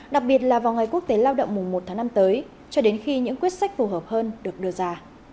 đặc biệt là vào ngày quốc tế lao động mùng một tháng năm tới cho đến khi những quyết sách phù hợp hơn được đưa ra